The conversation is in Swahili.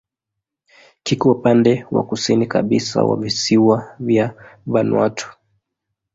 Kiko upande wa kusini kabisa wa visiwa vya Vanuatu.